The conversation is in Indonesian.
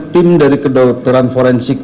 tim dari kedokteran forensik